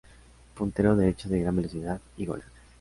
Puntero derecho de gran velocidad y gol.